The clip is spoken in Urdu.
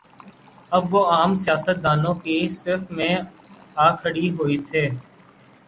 اب وہ عام سیاست دانوں کی صف میں آ کھڑے ہوئے تھے۔